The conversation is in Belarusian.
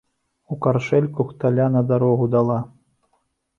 У каршэнь кухталя на дарогу дала.